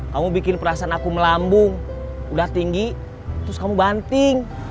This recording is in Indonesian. kamu bikin perasaan aku melambung udah tinggi terus kamu banting